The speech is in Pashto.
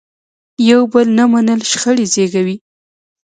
یو بل نه منل شخړې زیږوي.